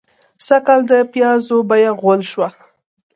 سږکال د پيازو بيه غول شوه.